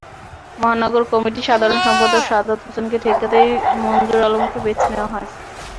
মহানগর কমিটির সাধারণ সম্পাদক শাহাদাৎ হোসেনকে ঠেকাতেই মনজুর আলমকে বেছে নেওয়া হয়।